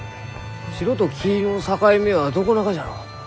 白と黄色の境目はどこながじゃろう？